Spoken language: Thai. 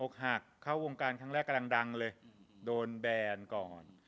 เข้าวงการครั้งแรกกำลังดังเลยโดนแบนก่อน